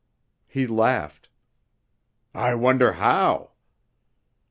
He laughed. "I wonder how?"